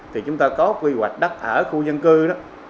thì chúng ta có quy hoạch đất ở khu dân cư đó